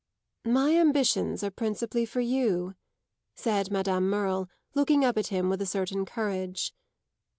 "My ambitions are principally for you," said Madame Merle, looking up at him with a certain courage.